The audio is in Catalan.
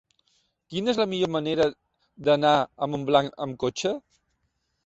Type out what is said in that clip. Quina és la millor manera d'anar a Montblanc amb cotxe?